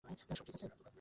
সব ঠিক আছে?